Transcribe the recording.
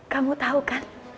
kamu tahu kan